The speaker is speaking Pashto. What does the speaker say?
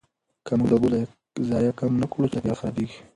که موږ د اوبو ضایع کم نه کړو، چاپیریال خرابېږي.